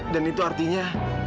dan itu artinya